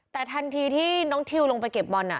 แต่ทันทีที่น้องทิวลงไปเก็บบอล